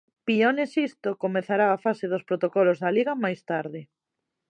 Pione Sisto comezará a fase dos protocolos da Liga máis tarde.